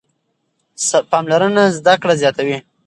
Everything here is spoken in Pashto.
پاملرنه زده کړه زیاتوي.